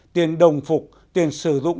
tiền đồng phục tiền sử dụng